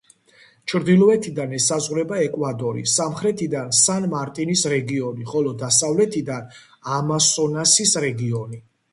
ჩრდილოეთიდან ესაზღვრება ეკვადორი, სამხრეთიდან სან-მარტინის რეგიონი, ხოლო დასავლეთიდან ამასონასის რეგიონი.